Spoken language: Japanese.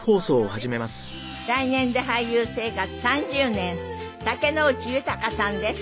来年で俳優生活３０年竹野内豊さんです。